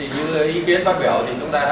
như ý kiến bác biểu thì chúng ta đã